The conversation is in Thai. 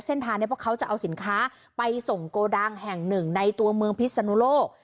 เส้นทางนี้เพราะเขาจะเอาสินค้าไปส่งโกดังแห่งหนึ่งในตัวเมืองพิศนุโลก